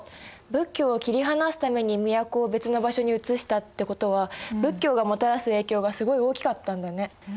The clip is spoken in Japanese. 仏教を切り離すために都を別の場所にうつしたってことは仏教がもたらす影響がすごい大きかったんだね。